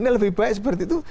ini lebih baik seperti itu